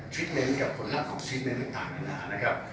ทริปเม้นท์กับผลภาพของทริปเม้นท์ต่างกันนะครับ